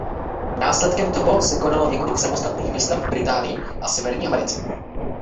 Následkem toho se konalo několik samostatných výstav v Británii a Severní Americe.